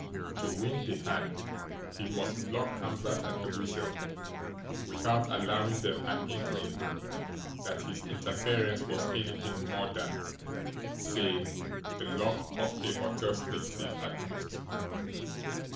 To win the hand he must block Hamvert and the Weasel without allowing them an inkling that his interference was anything more than, say, the luck of a hotel sneak thief at most.